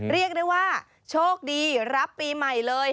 เรียกได้ว่าโชคดีรับปีใหม่เลย